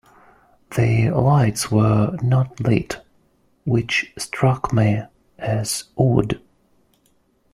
The lights were not lit, which struck me as odd.